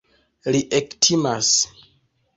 Li ektimas.